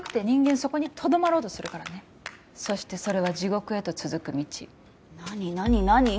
そこにとどまろうとするからねそしてそれは地獄へと続く道何何何？